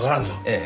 ええ。